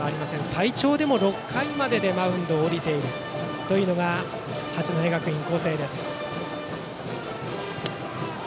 最長でも６回まででマウンドを降りているのが八戸学院光星です。